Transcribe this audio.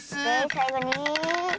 さいごに。